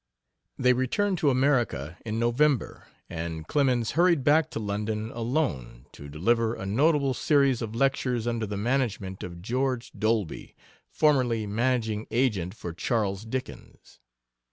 They returned to America in November, and Clemens hurried back to London alone to deliver a notable series of lectures under the management of George Dolby, formerly managing agent for Charles Dickens.